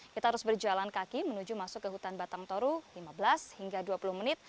kita harus berjalan kaki menuju masuk ke hutan batang toru lima belas hingga dua puluh menit